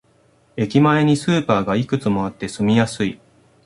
駅前にスーパーがいくつもあって住みやすい